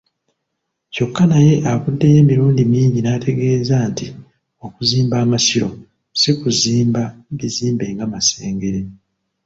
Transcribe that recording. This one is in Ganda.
Kyokka naye avuddeyo emirundi mingi n'ategeeza nti okuzimba Amasiro si kuzimba bizimbe nga Masengere.